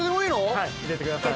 入れてください。